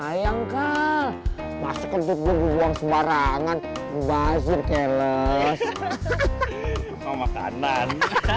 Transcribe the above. hai ah sayang kalah masukkan tubuh buang sembarangan bazir keles makanan